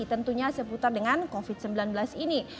tentunya seputar dengan covid sembilan belas ini